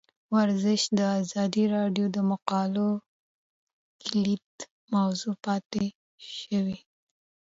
ورزش د ازادي راډیو د مقالو کلیدي موضوع پاتې شوی.